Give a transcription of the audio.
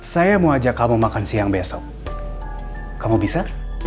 saya mau ajak kamu makan siang besok kamu bisa